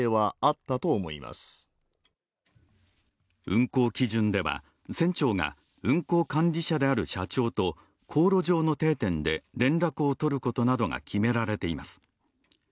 運航基準では船長が運航管理者である社長と航路上の定点で連絡を取ることなどが決められています。